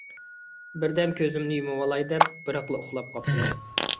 بىردەم كۆزۈمنى يۇمۇۋالاي دەپ، بىراقلا ئۇخلاپ قاپتىمەن.